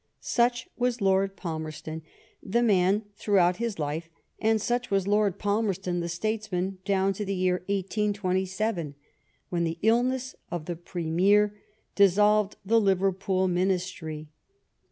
Such was Lord Falmerston, the man, throughout his life, and such was Lord Falmerston the statesman^ down to the year 1827, when the illness of the Premier dissolved the Liverpool ministry.